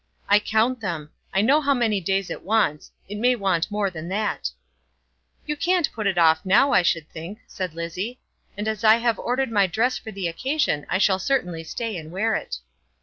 "I count them. I know how many days it wants. It may want more than that." "You can't put it off now, I should think," said Lizzie; "and as I have ordered my dress for the occasion I shall certainly stay and wear it."